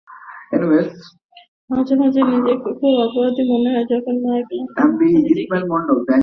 মাঝে মাঝে নিজেকে খুব অপরাধী মনে হয়, যখন মায়ের ক্লান্ত মুখখানি দেখি।